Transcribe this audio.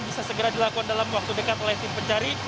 bisa segera dilakukan dalam waktu dekat oleh tim pencari